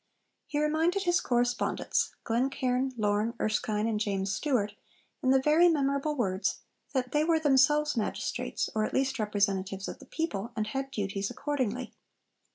He reminded his correspondents Glencairn, Lorne, Erskine, and James Stewart in very memorable words, that they were themselves magistrates, or at least representatives of the people, and had duties accordingly.